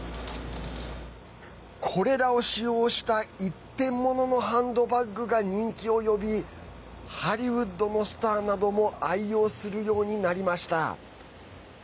これらを使用した一点もののハンドバッグが人気を呼びハリウッドのスターなども愛用するようになりました。